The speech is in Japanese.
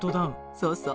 そうそう。